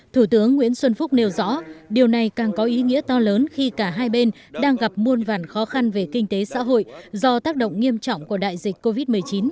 thủ tướng nguyễn xuân phúc nêu rõ điều này càng có ý nghĩa to lớn khi cả hai bên đang gặp muôn vàn khó khăn về kinh tế xã hội do tác động nghiêm trọng của đại dịch covid một mươi chín